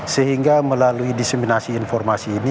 sehingga melalui diseminasi informasi ini